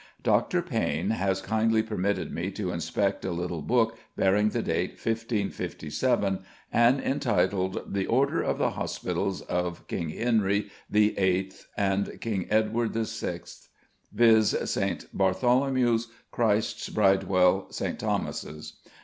Dr. Payne has kindly permitted me to inspect a little book bearing the date 1557, and entitled "The Order of the Hospitalls of K. Henry the viii.th and King Edward the vi.th viz., St. Bartholomew's, Christ's, Bridewell, St. Thomas's.